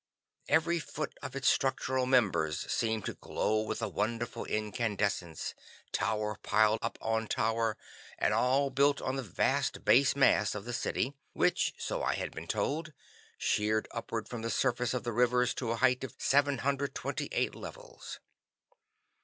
Every foot of its structural members seemed to glow with a wonderful incandescence, tower piled up on tower, and all built on the vast base mass of the city, which, so I had been told, sheered upward from the surface of the rivers to a height of 728 levels.